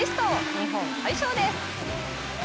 日本、快勝です！